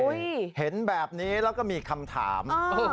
เห็นแบบนี้แล้วก็มีคำถาม